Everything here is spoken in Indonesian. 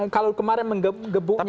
kalau kemarin mengebuknya